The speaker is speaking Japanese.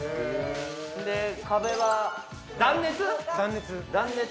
で壁は断熱？